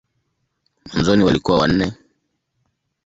Mwanzoni walikuwa wanne.